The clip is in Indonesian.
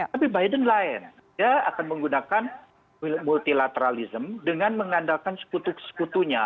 tapi biden line dia akan menggunakan multilateralism dengan mengandalkan sekutu sekutunya